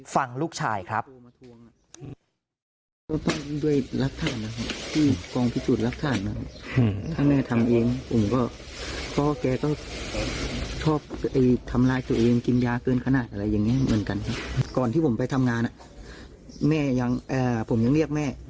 ฟังลูกชายครับ